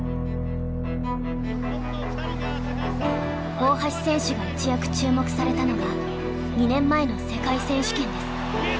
大橋選手が一躍注目されたのが２年前の世界選手権です。